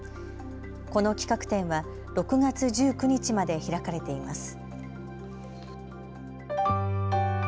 この企画展は６月１９日まで開かれています。